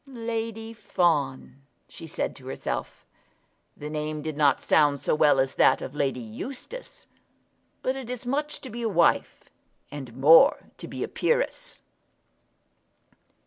"Lady Fawn!" she said to herself. The name did not sound so well as that of Lady Eustace. But it is much to be a wife; and more to be a peeress.